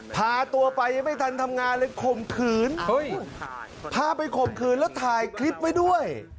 พาตัวไปยังไม่ทันทำงานเลยข่มขืนพาไปข่มขืนแล้วถ่ายคลิปไว้ด้วย